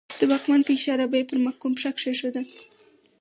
د واکمن په اشاره به یې پر محکوم پښه کېښوده.